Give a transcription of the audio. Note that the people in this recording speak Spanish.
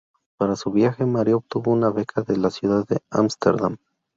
Para su viaje, Maria obtuvo una beca de la ciudad de Ámsterdam.